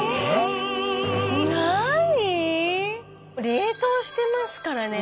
冷凍してますからね。